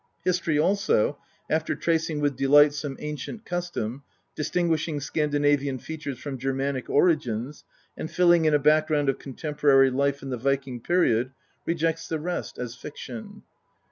History also, after tracing with delight some ancient custom, distinguishing Scandinavian features from Germanic origins, and filling in a background of contemporary life in the Viking period, rejects the rest as fiction.